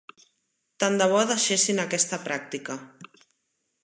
Tant de bo deixessin aquesta pràctica.